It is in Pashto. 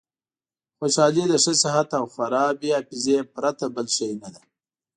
خوشحالي د ښه صحت او خرابې حافظې پرته بل شی نه ده.